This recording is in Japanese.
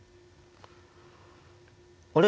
あれ？